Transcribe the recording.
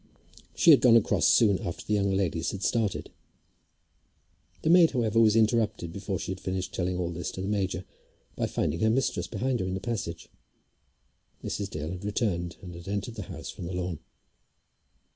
She had gone across soon after the young ladies had started. The maid, however, was interrupted before she had finished telling all this to the major, by finding her mistress behind her in the passage. Mrs. Dale had returned, and had entered the house from the lawn.